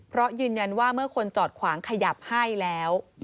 เพราะยืนยันว่าเมื่อคนจอดขวางขยับให้แล้ว